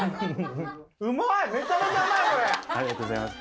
ありがとうございます。